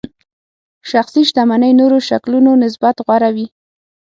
شخصي شتمنۍ نورو شکلونو نسبت غوره وي.